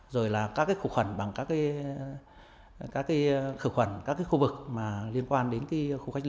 rồi là các khuẩn bằng các khu vực